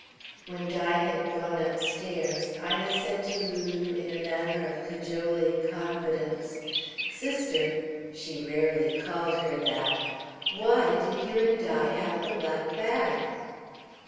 When Di had gone upstairs, Ina said to Lulu in a manner of cajoling confidence: "Sister " she rarely called her that, "why did you and Di have the black bag?"